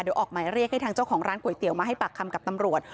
เดี๋ยวออกหมายเรียกให้ทางเจ้าของร้านก๋วยเตี๋ยวมาให้ปากคำกับตำรวจ